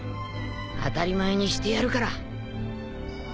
当たり前にしてやるから。